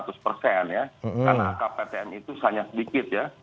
karena angka ptm itu hanya sedikit ya